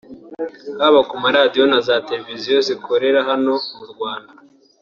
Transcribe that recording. haba ku maradiyo na za televiziyo zikorera hano mu Rwanda